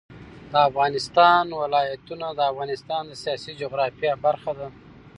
د افغانستان ولايتونه د افغانستان د سیاسي جغرافیه برخه ده.